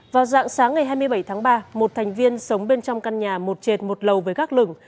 vào dạng sáng ngày hai mươi bảy tháng ba một thành viên sống bên trong căn nhà một trệt một lầu với gác lửng